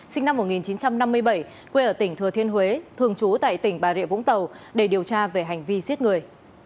sinh năm một nghìn chín trăm năm mươi bảy quê ở tỉnh thừa thiên huế thường trú tại tỉnh bà rịa vũng tàu để điều tra về hành vi giết người